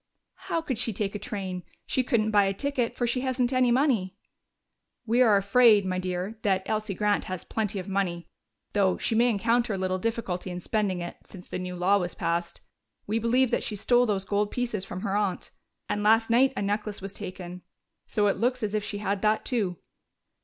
"How could she take a train? She couldn't buy a ticket, for she hasn't any money." "We are afraid, my dear, that Elsie Grant has plenty of money, though she may encounter a little difficulty in spending it, since the new law was passed. We believe that she stole those gold pieces from her aunt and last night a necklace was taken, so it looks as if she had that too."